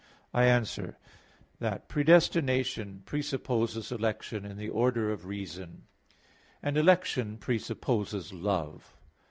I answer that, Predestination presupposes election in the order of reason; and election presupposes love.